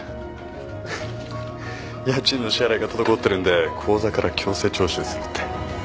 家賃の支払いが滞ってるんで口座から強制徴収するって。